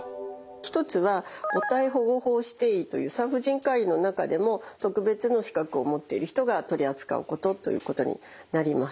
一つは母体保護法指定医という産婦人科医の中でも特別の資格を持っている人が取り扱うことということになります。